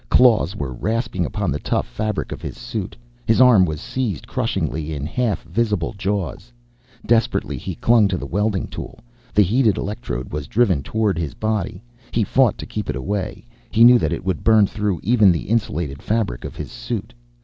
Claws were rasping upon the tough fabric of his suit. His arm was seized crushingly in half visible jaws. Desperately he clung to the welding tool. The heated electrode was driven toward his body. He fought to keep it away; he knew that it would burn through even the insulated fabric of his suit.